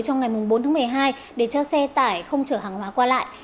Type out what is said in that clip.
trong ngày bốn tháng một mươi hai để cho xe tải không chở hàng hóa qua lại